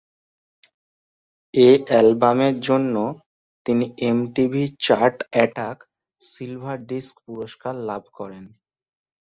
এ অ্যালবামের জন্য তিনি MTV chart attack silver disc পুরস্কার লাভ করেন।